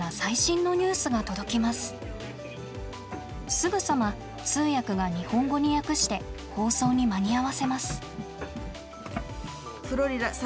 すぐさま通訳が日本語に訳して放送に間に合わせます。